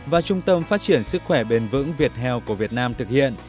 và trung tâm phát triển sức khỏe bền vững việt health của việt nam thực hiện